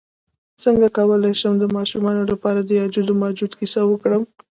څنګه کولی شم د ماشومانو لپاره د یاجوج ماجوج کیسه وکړم